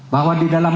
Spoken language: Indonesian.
bahwa di dalam